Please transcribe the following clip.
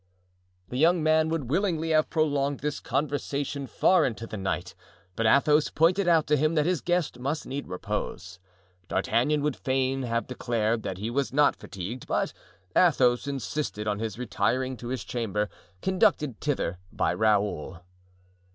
The young man would willingly have prolonged this conversation far into the night, but Athos pointed out to him that his guest must need repose. D'Artagnan would fain have declared that he was not fatigued, but Athos insisted on his retiring to his chamber, conducted thither by Raoul.